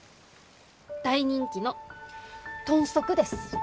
大人気の豚足です。